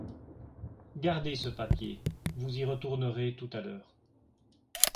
Gardez ce papier, vous y retournerez tout à l'heure.